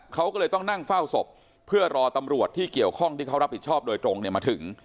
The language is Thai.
เขาก็เลยต้องนั่งเฝ้าศพเพื่อรอตำรวจที่เกี่ยวข้องที่เขารับผิดชอบโดยตรงเนี่ยมาถึง